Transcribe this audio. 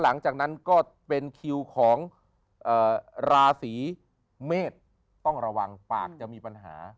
หลังจากนั้นก็เป็นคิวของราศีเมษต้องระวังปากจะมีปัญหา